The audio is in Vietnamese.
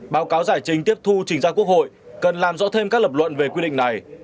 báo cáo giải trình tiếp thu trình ra quốc hội cần làm rõ thêm các lập luận về quy định này